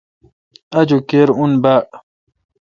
آجوک کِر اوں باڑ۔